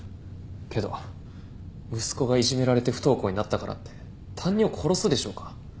けど息子がいじめられて不登校になったからって担任を殺すでしょうか？